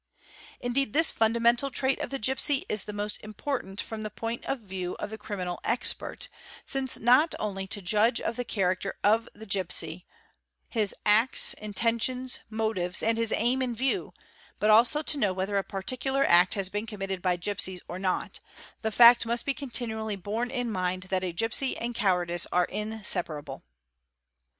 Indeed thi fundamental trait of the gipsy is the most important from the point o view of the criminal expert, since not only to judge of the character o a gipsy, his acts, intentions, motives, and his aim in view, but also t know whether a particular act has been committed by gipsies or not, th fact must be continually borne in mind that a gipsy and cowardice ai inseparable.